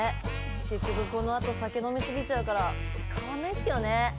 結局このあと酒飲み過ぎちゃうから変わんないんすけどね。